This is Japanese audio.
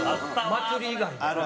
祭り以外で。